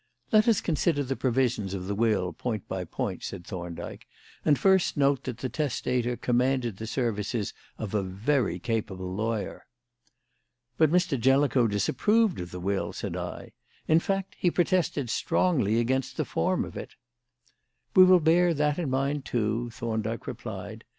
"Let us consider the provisions of the will point by point," said Thorndyke; "and first note that the testator commanded the services of a very capable lawyer." "But Mr. Jellicoe disapproved of the will," said I; "in fact, he protested strongly against the form of it." "We will bear that in mind, too," Thorndyke replied.